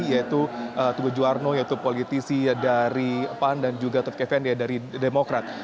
yaitu tugu juwarno yaitu politisi dari pan dan juga tut effendi dari demokrat